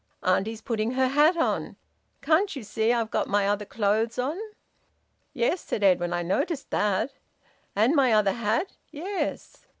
Auntie's putting her hat on. Can't you see I've got my other clothes on?" "Yes," said Edwin, "I noticed that." "And my other hat?" "Yes."